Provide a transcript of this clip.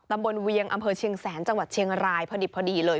เวียงอำเภอเชียงแสนจังหวัดเชียงรายพอดิบพอดีเลย